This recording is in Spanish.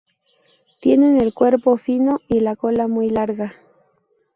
Tienen el cuerpo fino y la cola muy larga.